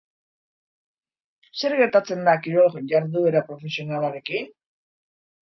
Zer gertatzen da kirol jarduera profesionalarekin?